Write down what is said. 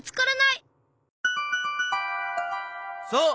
そう。